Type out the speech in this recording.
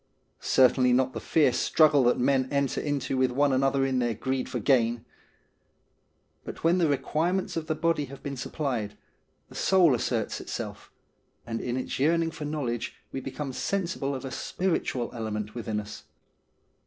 Certainly not the fierce struggle that men enter into with one another in their greed for gain. But when the require ments of the body have been supplied, the soul asserts itself and in its yearning for knowledge we become sensible of a spiritual element within us.